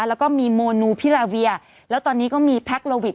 แล้วก็มีโมนูพิราเวียแล้วตอนนี้ก็มีแพ็คโลวิท